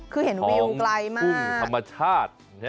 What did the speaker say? คือเห็นวิวไกลมาก